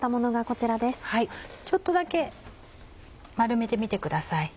ちょっとだけ丸めてみてください。